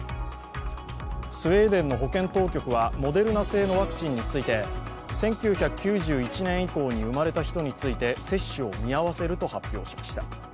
スウェーデンの保健当局はモデルナ製のワクチンについて１９９１年以降に生まれた人について接種を見合わせると発表しました。